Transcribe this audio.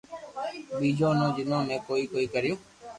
ٻيجو جيون ۾ ڪوئي ڪوئي ڪرو